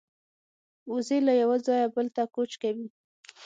وزې له یوه ځایه بل ته کوچ کوي